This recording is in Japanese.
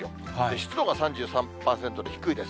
湿度が３３％で低いです。